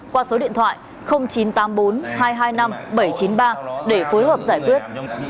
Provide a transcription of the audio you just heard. qua số điện thoại chín trăm tám mươi bốn hai trăm hai mươi năm bảy trăm chín mươi ba để phối hợp giải quyết